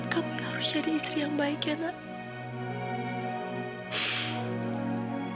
kamu harus jadi istri yang baik ya nak